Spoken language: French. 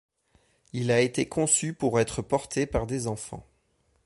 Il a été conçu pour être porté par des enfants.